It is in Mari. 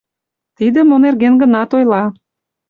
Тиде мо нерген гынат ойла.